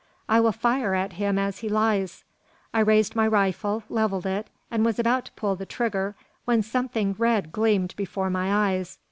I will fire at him as he lies." I raised my rifle, levelled it, and was about to pull the trigger, when something red gleamed before my eyes.